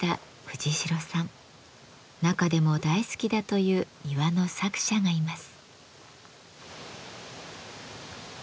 中でも大好きだという庭の作者がいます。